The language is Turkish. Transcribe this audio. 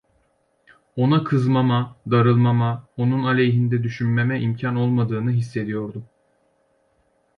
Ona kızmama, darılmama, onun aleyhinde düşünmeme imkân olmadığını hissediyordum.